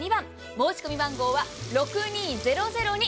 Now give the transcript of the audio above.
申し込み番号は６２００２。